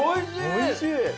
おいしい！